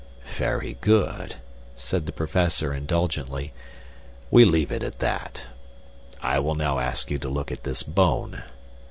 "Very good," said the Professor, indulgently; "we leave it at that. I will now ask you to look at this bone."